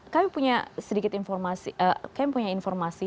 kami punya sedikit informasi